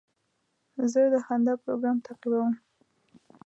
زه د خندا پروګرام تعقیبوم.